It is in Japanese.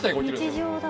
日常だ。